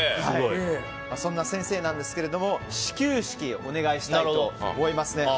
そんな先生なんですが始弓式をお願いしたいと思います。